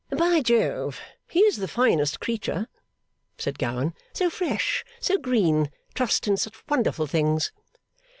'By Jove, he is the finest creature!' said Gowan. 'So fresh, so green, trusts in such wonderful things!